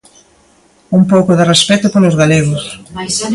¡Un pouco de respecto polos galegos!